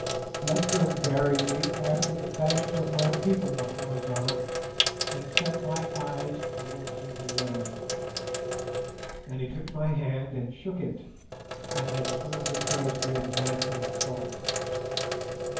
"Let them bury me after the fashion of my people, Macumazahn, and set my eyes towards Zululand;" and he took my hand and shook it, and then turned to face the advancing foe.